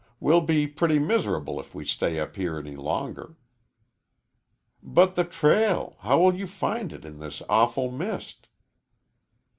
We'll be pretty miserable if we stay up here any longer." "But the trail how will you find it in this awful mist?"